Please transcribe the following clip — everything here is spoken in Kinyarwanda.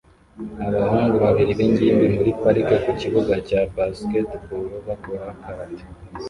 Abahungu babiri b'ingimbi muri parike ku kibuga cya basketball bakora karate